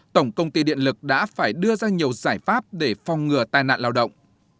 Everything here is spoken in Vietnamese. tổng công ty điện lực đã phải đưa ra nhiều giải pháp để phong ngừa tai nạn lao động